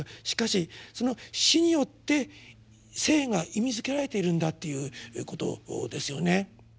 しかしその死によって生が意味づけられているんだということですよね。